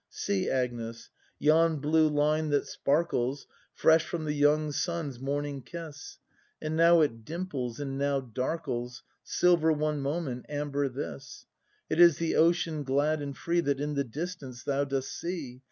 See, Agnes, yon blue line that sparkles, Fresh from the young sun's morning kiss. And now it dimples and now darkles, Silver one moment, amber this; It is the ocean glad and free That in the distance thou dost see.